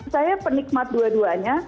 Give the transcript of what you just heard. saya penikmat dua duanya